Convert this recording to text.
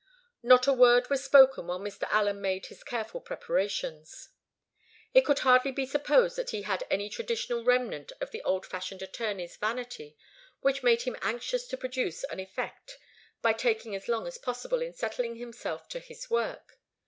Not a word was spoken while Mr. Allen made his careful preparations. It could hardly be supposed that he had any traditional remnant of the old fashioned attorney's vanity, which made him anxious to produce an effect by taking as long as possible in settling himself to his work.